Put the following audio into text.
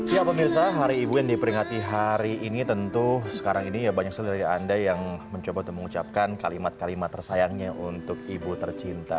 ya pemirsa hari ibu yang diperingati hari ini tentu sekarang ini ya banyak sekali dari anda yang mencoba untuk mengucapkan kalimat kalimat tersayangnya untuk ibu tercinta